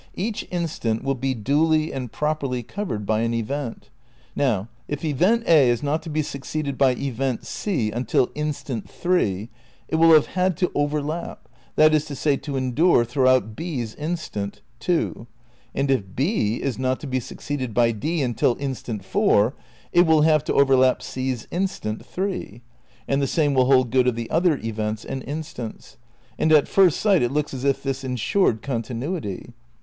Each instant will be duly and properly covered by an event. Now, if event A is not to be succeeded by event C until instant 3, it will have had to overlap, that is to say, to endure throughout B's instant, 2. And if B is not to be succeeded by D until instant 4, it will have to overlap C's instant, 3. And the same will hold good of the other events and instants. And at first sight it looks as if this ensured continuity.